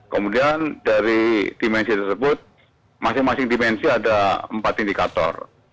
kemudian dari dimensi tersebut masing masing dimensi ada empat indikator